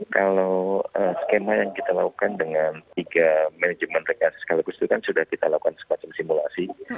kalau skema yang kita lakukan dengan tiga manajemen rekasi sekaligus itu kan sudah kita lakukan semacam simulasi